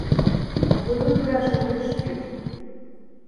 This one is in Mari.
Лывыжгаш огеш кӱл.